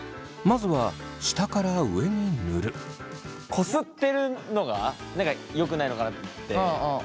こすってるのが何かよくないのかなと思って。